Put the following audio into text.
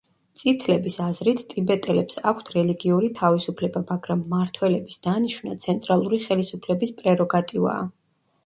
წითლების აზრით, ტიბეტელებს აქვთ რელიგიური თავისუფლება, მაგრამ მმართველების დანიშვნა ცენტრალური ხელისუფლების პრეროგატივაა.